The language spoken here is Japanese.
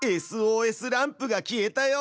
ＳＯＳランプが消えたよ！